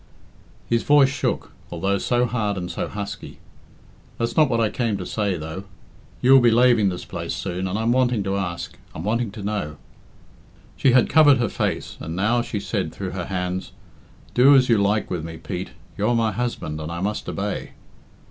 His voice shook, although so hard and so husky. "That's not what I came to say, though. You'll be laving this place soon, and I'm wanting to ask I'm wanting to know " She had covered her face, and now she said through her hands, "Do as you like with me, Pete. You are my husband, and I must obey."